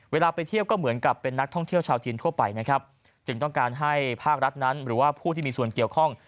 ไปเที่ยวก็เหมือนกับเป็นนักท่องเที่ยวชาวจีนทั่วไปนะครับจึงต้องการให้ภาครัฐนั้นหรือว่าผู้ที่มีส่วนเกี่ยวข้อง